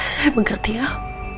saya mengerti al